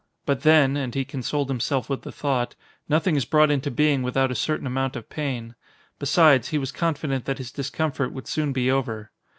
But then and he consoled himself with the thought nothing is brought into being without a certain amount of pain. Besides, he was confident that his discomfort would soon be over.